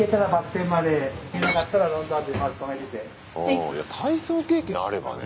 ああ体操経験あればね